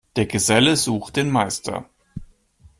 Der Geselle sucht den Meister.